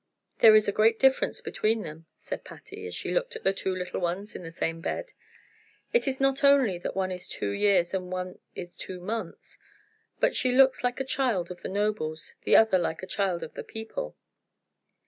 "There is a great difference between them," said Patty, as she looked at the two little ones in the same bed. "It is not only that one is two years and one is two months, but one looks like a child of the nobles, the other like a child of the people."